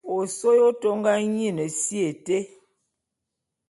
Osôé ôte ô ngá nyin si été.